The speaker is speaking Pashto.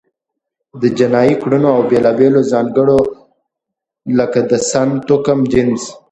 د جنایي کړنو د بیلابېلو ځانګړنو لکه د سن، توکم، جنس،